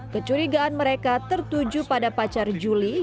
kecurigaan mereka tertuju pada pacar juli